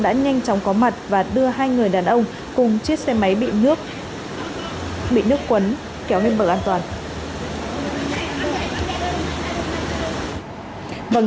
đã nhanh chóng có mặt và đưa hai người đàn ông cùng chiếc xe máy bị nước cuốn kéo lên bờ an toàn